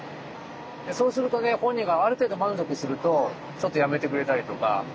そうするとね本人がある程度満足するとちょっとやめてくれたりとか。